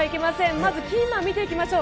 まずキーマンを見ていきましょう。